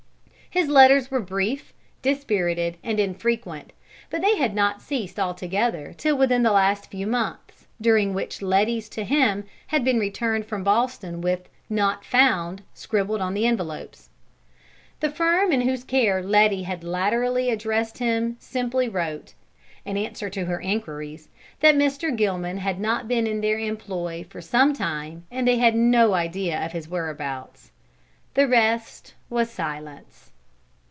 His letters were brief, dispirited, and infrequent, but they had not ceased altogether till within the last few months, during which Letty's to him had been returned from Boston with "Not found" scribbled on the envelopes. The firm in whose care Letty had latterly addressed him simply wrote, in answer to her inquiries, that Mr. Gilman had not been in their employ for some time and they had no idea of his whereabouts. The rest was silence.